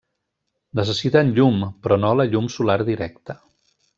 Necessiten llum, però no la llum solar directa.